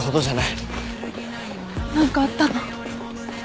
何かあったの？